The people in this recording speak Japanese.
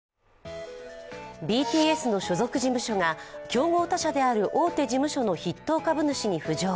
ＢＴＳの所属事務所が競合他社である大手事務所の筆頭株主に浮上。